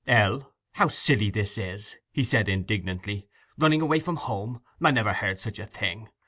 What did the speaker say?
'Ell, how silly this is!' he said indignantly. 'Running away from home—I never heard such a thing!